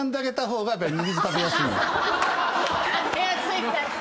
食べやすいんだって。